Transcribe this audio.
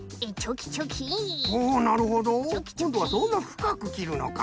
こんどはそんなふかくきるのか。